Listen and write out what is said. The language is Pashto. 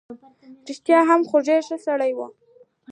رښتیا هم، خو ډېر ښه سړی وو.